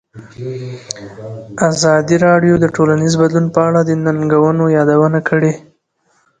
ازادي راډیو د ټولنیز بدلون په اړه د ننګونو یادونه کړې.